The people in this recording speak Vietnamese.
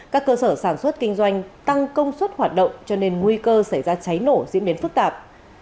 các cơ sở sản xuất kinh doanh tăng công suất hoạt động cho nên nguy cơ xảy ra cháy nổ diễn biến phức tạp